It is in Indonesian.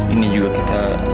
ini juga kita